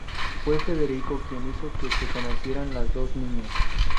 Fue Federico quien hizo que se conocieran las dos niñas.